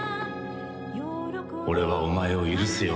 俺はお前を許すよ。